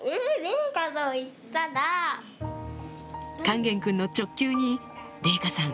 勸玄君の直球に麗禾さん